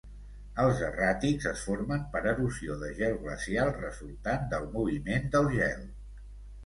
Els erràtics es formen per erosió de gel glacial resultant del moviment del gel.